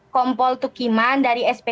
kompol tukiman dari spkt